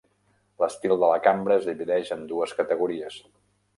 L'estil de la cambra es divideix en dues categories.